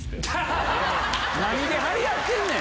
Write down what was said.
何で張り合ってんねん！